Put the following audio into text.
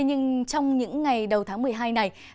nhưng trong những ngày đầu tháng một mươi hai này